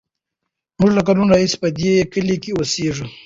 موږ له کلونو راهیسې په دې کلي کې اوسېږو.